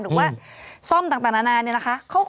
หรือว่าซ่อมต่างนานาเนี่ยนะคะ